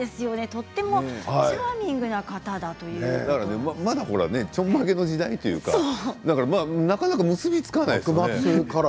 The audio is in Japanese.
とてもチャーミングな方だとまだちょんまげの時代というかなかなか結び付かないですね。